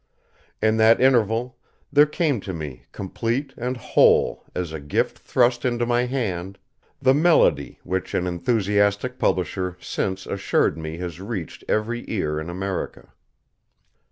In that interval, there came to me, complete and whole as a gift thrust into my hand, the melody which an enthusiastic publisher since assured me has reached every ear in America.